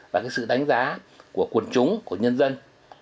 và sự đánh giá của quần chúng của nhân dân